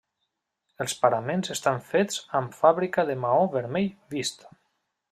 Els paraments estan fets amb fàbrica de maó vermell vist.